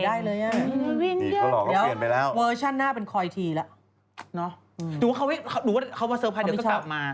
เดี๋ยวเวอร์ชั่นหน้าเป็นคอยทีละหรือว่าเขาเซอร์ไพร์เดี๋ยวก็กลับมา